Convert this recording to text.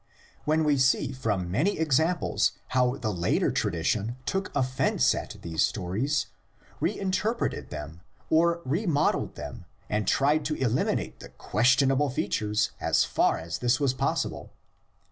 Then we see from many examples how the later tradition took offence at these stories, re interpreted them or remodeled them and tried to eliminate the ques tionable features as far as this was possible.